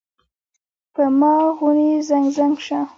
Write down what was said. پۀ ما غونے زګ زګ شۀ ـ